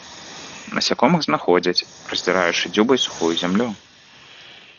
Насякомых знаходзяць, раздзіраючы дзюбай сухую зямлю.